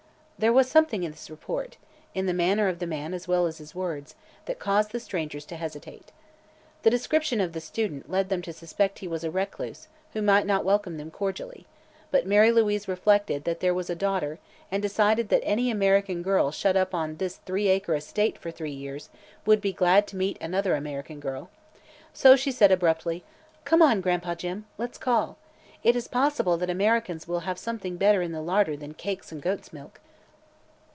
There was something in this report in the manner of the man as well as his words that caused the strangers to hesitate. The description of "the Student" led them to suspect he was a recluse who might not welcome them cordially, but Mary Louise reflected that there was a daughter and decided that any American girl shut up on this three acre "estate" for three years would be glad to meet another American girl. So she said abruptly: "Come on, Gran'pa Jim. Let's call. It is possible that Americans will have something better in the larder than cakes and goat's milk."